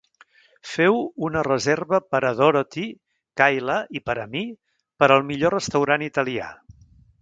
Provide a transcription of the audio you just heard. Feu una reserva per a Dorothy, Kayla i per a mi per al millor restaurant italià.